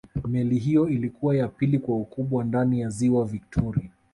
meli hiyo ilikuwa ya pili kwa ukubwa ndani ya ziwa victoria